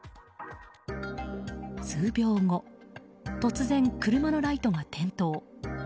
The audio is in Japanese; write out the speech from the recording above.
数秒後、突然車のライトが点灯。